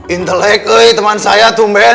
intelek weh teman saya tuh men